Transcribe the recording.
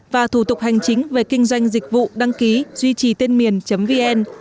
và thủ tục hành chính về kinh doanh dịch vụ đăng ký duy trì tên miền vn